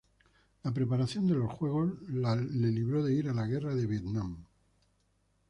La preparación de los Juegos le libró de ir a la Guerra de Vietnam.